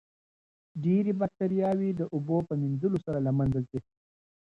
ډېرې باکتریاوې د اوبو په مینځلو سره له منځه ځي.